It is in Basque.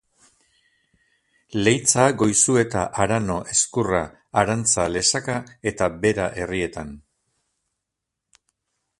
Leitza, Goizueta, Arano, Ezkurra, Arantza, Lesaka eta Bera herrietan.